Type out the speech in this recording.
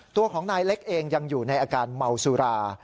ตัวของนายเล็กเองยังอยู่ในอาการเมาสุรา